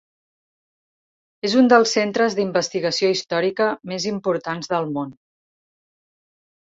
És un dels centres d'investigació històrica més importants del món.